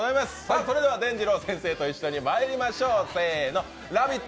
それではでんじろう先生と一緒にまいりましょう、「ラヴィット！」